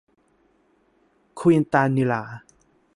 ควินตานิลลา